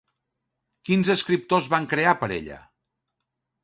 Quins escriptors van crear per ella?